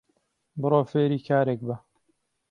بڕۆ فێری کارێک بە